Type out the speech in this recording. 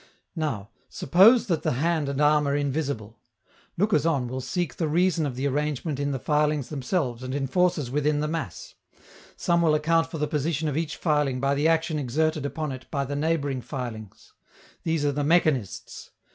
Now, suppose that the hand and arm are invisible. Lookers on will seek the reason of the arrangement in the filings themselves and in forces within the mass. Some will account for the position of each filing by the action exerted upon it by the neighboring filings: these are the mechanists.